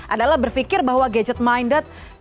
adalah berpikir bahwa gadget minded